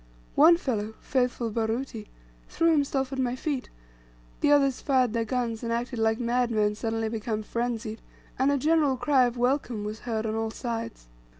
One fellow, faithful Baruti, threw himself at my feet, the others fired their guns and acted like madmen suddenly become frenzied, and a general cry of "welcome" was heard on all sides.